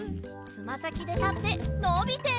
つまさきでたってのびて！